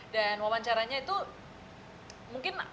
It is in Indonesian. dan wawancaranya itu mungkin pertanyaan agak nggak bisa